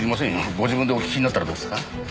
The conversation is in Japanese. ご自分でお聞きになったらどうですか？